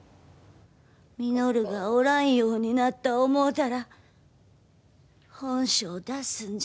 稔がおらんようになった思うたら本性出すんじゃねえ。